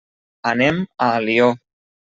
Anem a Alió.